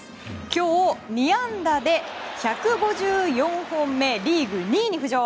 今日、２安打で１５４本目リーグ２位に浮上。